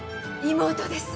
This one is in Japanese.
妹です。